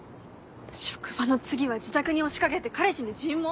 職場の次は自宅に押しかけて彼氏に尋問？